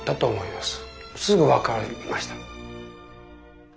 すぐ分かりました。